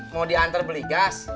mau diantar beli gas